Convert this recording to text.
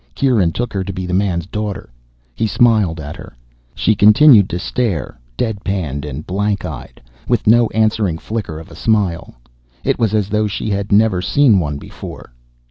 Kieran took her to be the man's daughter. He smiled at her. She continued to stare, deadpan and blank eyed, with no answering flicker of a smile. It was as though she had never seen one before.